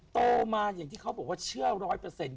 โตมาอย่างที่เขาบอกว่าเชื่อร้อยเปอร์เซ็นต